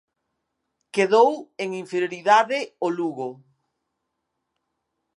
Quedou en inferioridade o Lugo.